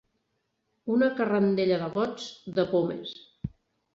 Una carrandella de gots, de pomes.